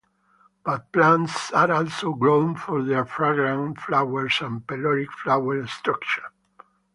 But plants are also grown for their fragrant flowers and peloric flower structure.